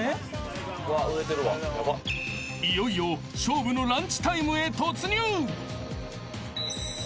［いよいよ勝負のランチタイムへ突入］